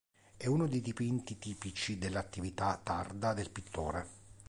È uno dei dipinti tipici dell'attività tarda del pittore.